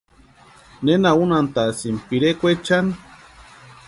¿Nena unhantasïnki pirekwaechani?